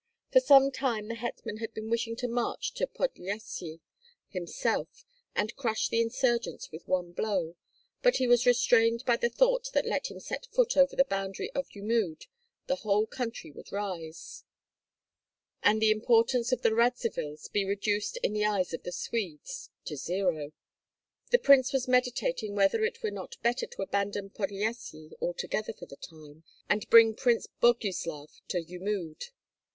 For some time the hetman had been wishing to march to Podlyasye himself, and crush the insurgents with one blow, but he was restrained by the thought that let him set foot over the boundary of Jmud the whole country would rise, and the importance of the Radzivills be reduced in the eyes of the Swedes to zero. The prince was meditating whether it were not better to abandon Podlyasye altogether for the time, and bring Prince Boguslav to Jmud.